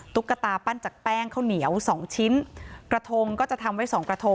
ตุ๊กตาปั้นจากแป้งข้าวเหนียวสองชิ้นกระทงก็จะทำไว้สองกระทง